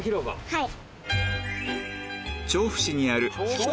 はい。